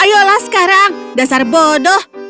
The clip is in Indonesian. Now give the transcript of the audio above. ayolah sekarang dasar bodoh